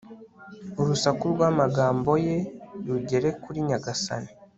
urusaku rw'amagambo ye rugere kuri nyagasani